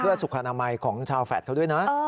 เพื่อสุขอนามัยของชาวแฟลตเขาด้วยนะ